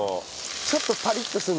ちょっとパリッとするのかな？